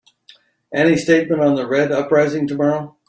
Any statement on the Red uprising tomorrow?